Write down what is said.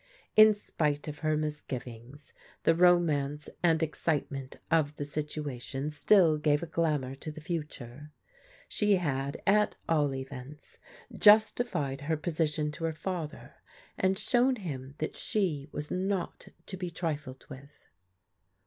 In spite of her misgiv ings the romance and excitement of the situation still gave a glamour to the future. She had, at all events, justified her position to her father, and shown hin^ that she was not to be trifled with.